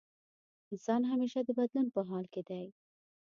انسان همېشه د بدلون په حال کې دی.